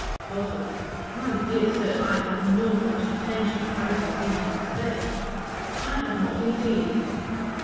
BOSWELL. 'My dear Sir, I had no such intentions as you seem to suspect; I had not indeed.